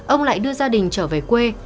ông lại đưa gia đình trở về quê